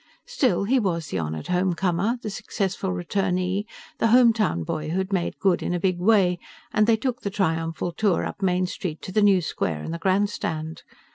Still, he was the honored home comer, the successful returnee, the hometown boy who had made good in a big way, and they took the triumphal tour up Main Street to the new square and the grandstand.